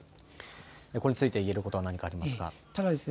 これについて言えることは何かありますか。